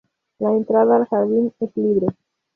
La entrada al jardín es libre.